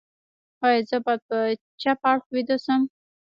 ایا زه باید په چپ اړخ ویده شم؟